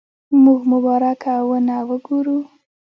موږ مبارکه ونه وګورو.